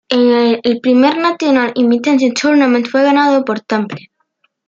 El primer National Invitation Tournament fue ganado por Temple.